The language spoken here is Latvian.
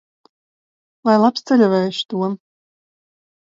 Lai labs ceļavējš, Tom!